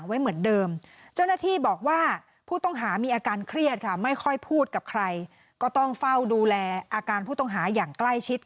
เพื่อเฝ้าดูแลอาการผู้ต้องหาอย่างใกล้ชิด